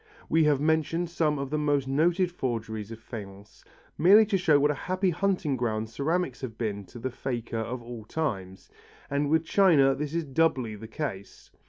We have mentioned some of the most noted forgeries of faience, merely to show what a happy hunting ground ceramics have been to the faker of all times, and with china this is doubly the case.